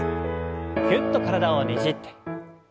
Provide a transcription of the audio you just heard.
ぎゅっと体をねじって。